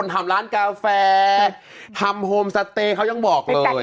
ทำร้านกาแฟทำโฮมสเตย์เขายังบอกเลย